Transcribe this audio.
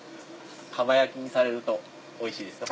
かば焼きにするとおいしいです。